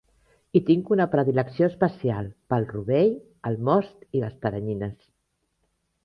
I tinc una predilecció especial pel rovell, el most i les teranyines.